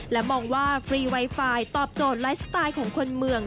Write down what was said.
และมองว่าฟรีไวไฟตอบโจทย์ไลฟ์สไตล์ของคนเมือง